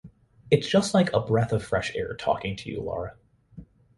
It's just like a breath of fresh air talking to you, Laura.